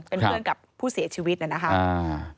เป็นเพื่อนกับผู้เสียชีวิตนะครับ